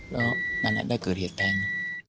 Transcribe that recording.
แล้วนั่นได้เกิดเหตุแทง